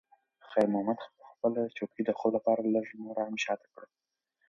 خیر محمد خپله چوکۍ د خوب لپاره لږ نوره هم شاته کړه.